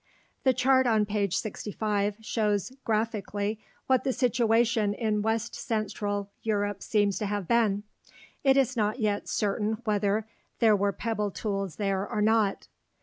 The chart on page 65 shows graphically what the situation in west central Europe seems to have been. It is not yet certain whether there were pebble tools there or not.